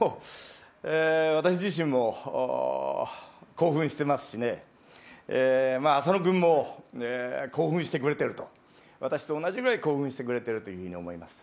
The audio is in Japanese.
私自身も興奮していますしね、浅野君も興奮してくれてると私と同じくらい興奮してくれているというふうに思います。